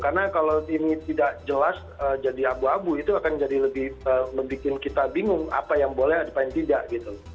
karena kalau ini tidak jelas jadi abu abu itu akan jadi lebih membuat kita bingung apa yang boleh apa yang tidak gitu